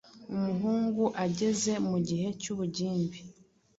umuhungu ageze mu gihe cy’ubugimbi